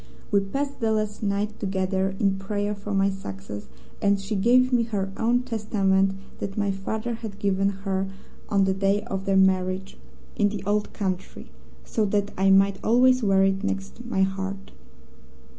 We passed the last night together in prayer for my success, and she gave me her own Testament that my father had given her on the day of their marriage in the Old Country, so that I might always wear it next my heart.